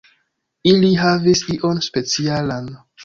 Ili havis ion specialan.